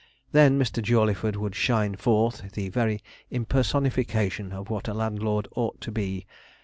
Then Mr. Jawleyford would shine forth the very impersonification of what a landlord ought to be.